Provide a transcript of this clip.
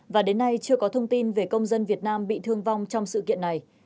và đến nay chưa có thông tin về công dân việt nam bị thương vong trong sự kiện này